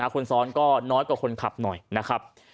คนซ้อนก็น้อยกว่าคนขับหน่อยนะครับ